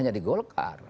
ini hanya di golkar